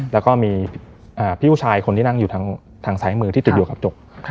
แล้วก็มีพี่ผู้ชายคนที่นั่งอยู่ทางซ้ายมือที่ติดอยู่กับจก